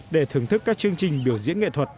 để thưởng thức các chương trình biểu diễn nghệ thuật